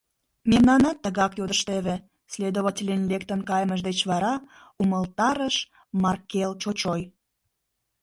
— Мемнамат тыгак йодыштеве, — следовательын лектын кайымыж деч вара умылтарыш Маркел чочой.